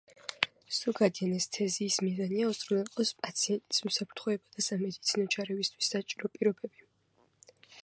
ზოგადი ანესთეზიის მიზანია უზრუნველყოს პაციენტის უსაფრთხოება და სამედიცინო ჩარევისათვის საჭირო პირობები.